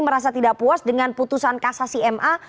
merasa tidak puas dengan putusan kasasi ma